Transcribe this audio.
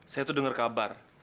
saya tuh denger kabar